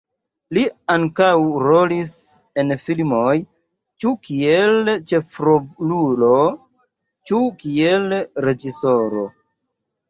Li ankaŭ rolis en filmoj, ĉu kiel ĉefrolulo, ĉu kiel reĝisoro.